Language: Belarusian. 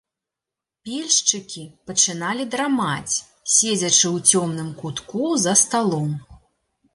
Пільшчыкі пачыналі драмаць, седзячы ў цёмным кутку за сталом.